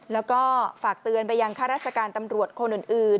แล้วก็ฝากเตือนไปยังข้าราชการตำรวจคนอื่น